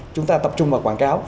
chúng ta tập trung vào quảng cáo